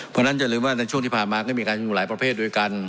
เพราะฉะนั้นอย่าลืมว่าในช่วงที่ผ่านมาก็มีการอยู่หลายประเภทด้วยกัน